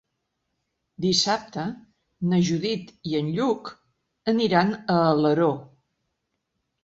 Dissabte na Judit i en Lluc aniran a Alaró.